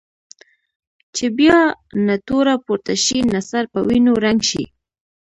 چې بیا نه توره پورته شي نه سر په وینو رنګ شي.